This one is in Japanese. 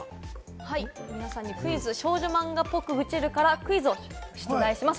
皆さんにクイズ『少女漫画ぽく愚痴る。』からクイズを出題します。